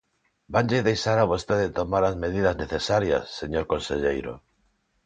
¿Vanlle deixar a vostede tomar as medidas necesarias, señor conselleiro?